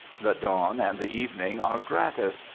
The dawn and the evening are gratis.